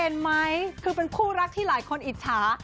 เห็นไหมคือเป็นคู่รักที่หลายคนอิจฉา